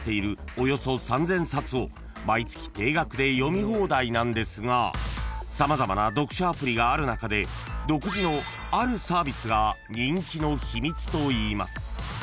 およそ３，０００冊を毎月定額で読み放題なんですが様々な読書アプリがある中で独自のあるサービスが人気の秘密といいます］